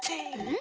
ん？